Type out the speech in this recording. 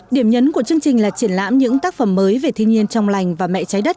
điểm nhấn của chương trình là triển lãm những tác phẩm mới về thiên nhiên trong lành và mẹ trái đất